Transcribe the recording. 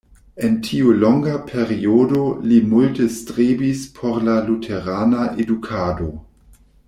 En tiu longa periodo li multe strebis por la luterana edukado.